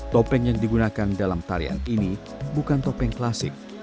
topeng yang digunakan dalam tarian ini bukan topeng klasik